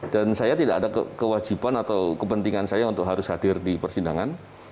dan saya tidak ada kewajiban atau kepentingan saya untuk harus hadir di persidangan